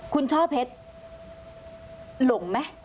คุณช่อเพชรหลงไหม